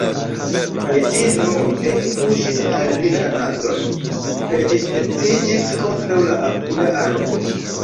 Kaj ĝi nur ektuŝis al li la nazon, kaj dispeciĝis kontraŭ la apuda arbo.